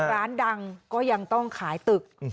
ร้านดังก็ยังต้องขายตึก